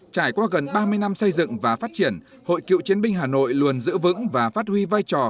trải qua gần ba mươi năm xây dựng và phát triển hội cựu chiến binh hà nội luôn giữ vững và phát huy vai trò